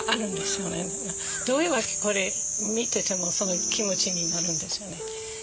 どういう訳かこれ見ててもその気持ちになるんですよね。